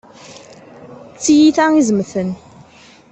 D tiyita izemten.